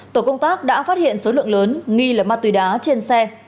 tổ công tác đã phát hiện số lượng lớn nghi là ma túy đá trên xe